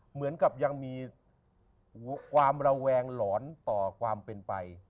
เหมือนกับยังมีความระแวงหลอนต่อความเป็นไป